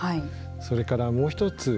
それからもう一つ